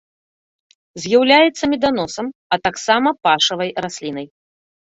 З'яўляецца меданосам, а таксама пашавай раслінай.